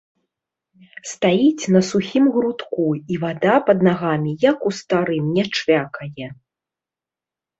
Стаіць на сухім грудку, і вада пад нагамі, як у старым, не чвякае.